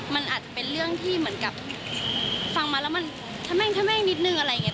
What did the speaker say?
มันอาจเป็นเรื่องที่เหมือนกับฟังมาแล้วมันทะแม่งนิดนึงอะไรอย่างนี้